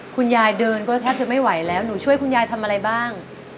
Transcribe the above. คุณยายเดินก็แทบจะไม่ไหวแล้วหนูช่วยคุณยายทำอะไรบ้าง